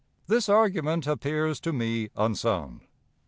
"This argument appears to me unsound.